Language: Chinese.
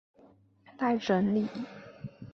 待整理